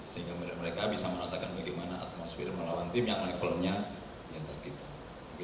sehingga mereka bisa merasakan bagaimana atmosfer melawan tim yang naik filmnya di atas kita